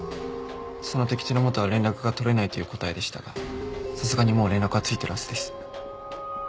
その時寺本は連絡が取れないという答えでしたがさすがにもう連絡はついてるはずです。